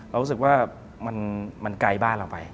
รู้สึกว่ามันไกลบ้านเราไป